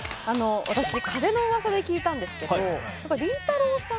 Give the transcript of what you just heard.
私風の噂で聞いたんですけどりんたろー。